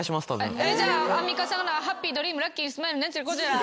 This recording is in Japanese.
じゃあアンミカさんがハッピードリームラッキースマイル何ちゃら。